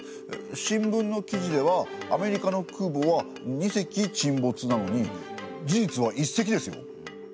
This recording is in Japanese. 新聞の記事ではアメリカの空母は２隻沈没なのに事実は１隻ですよ。